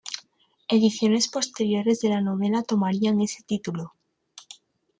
Ediciones posteriores de la novela tomarían ese título.